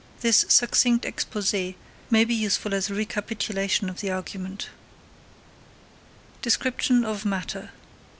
This succinct exposé may be useful as a recapitulation of the argument. _Description of Matter.